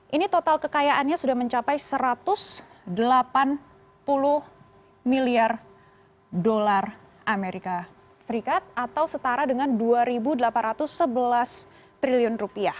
ini total kekayaannya sudah mencapai rp satu ratus delapan puluh miliar dolar amerika serikat atau setara dengan rp dua delapan ratus sebelas triliun